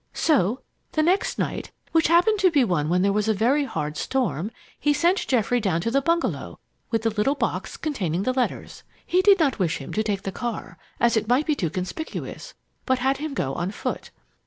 "So the next night, which happened to be one when there was a very hard storm, he sent Geoffrey down to the bungalow with the little box containing the letters. He did not wish him to take the car, as it might be too conspicuous, but had him go on foot.